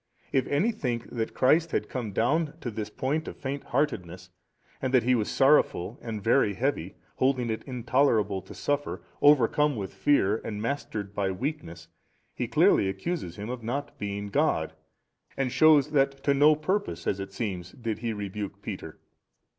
If any think that Christ had come down to this point of faint heartedness and that He was sorrowful and very heavy, holding it intolerable to suffer, overcome with fear and mastered by weakness, he clearly accuses Him of not being God, and shews that to no purpose, as it seems, did He rebuke Peter.